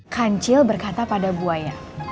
kancil berkata pada buaya